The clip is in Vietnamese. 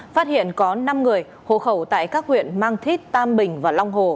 phát hiện có năm người hộ khẩu tại các huyện mang thít tam bình và long hồ